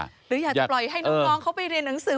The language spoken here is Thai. หรืออยากจะปล่อยให้น้องเขาไปเรียนหนังสือ